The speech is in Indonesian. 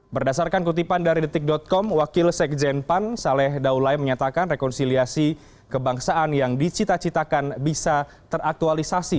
berdasarkan kutipan dari detik com wakil sekjen pan saleh daulai menyatakan rekonsiliasi kebangsaan yang dicita citakan bisa teraktualisasi